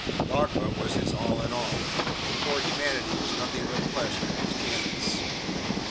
Dogma was his all in all, and poor humanity was nothing but flesh for its canons.